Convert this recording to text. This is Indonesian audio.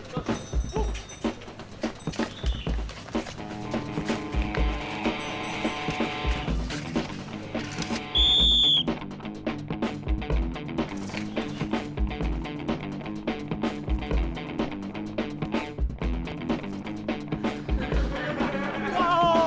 kok gak ditangkep